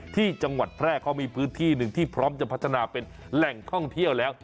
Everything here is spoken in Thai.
ที่จังหวัดแพร่เขามีพื้นที่หนึ่งที่พร้อมจะพัฒนาเป็นแหล่งท่องเที่ยวแล้ว